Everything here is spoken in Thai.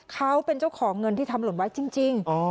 เขาเป็นเจ้าของเงินที่ทำหล่นไว้จริง